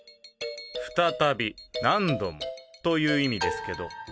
「再び何度も」という意味ですけど。